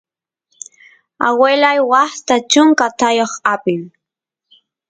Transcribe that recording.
aguelay waasta chunka taayoq apin